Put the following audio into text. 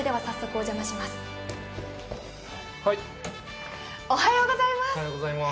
おはようございます。